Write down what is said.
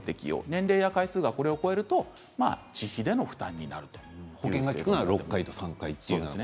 年齢や回数がこれを超えると自費での負担になるということです。